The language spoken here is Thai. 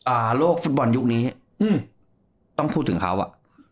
อ่าโลกฟุตบอลยุคนี้อืมต้องพูดถึงเขาอ่ะ